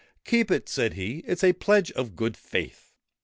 ' Keep it,' said he ;' it 's a pledge of good faith.'